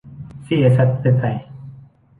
ซี เอ แซด ประเทศไทย